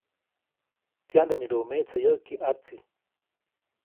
Tiyande midubä meʼtse yäʼki ʼatsi.